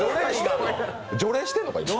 除霊してるの、今？